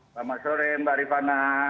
selamat sore mbak rifana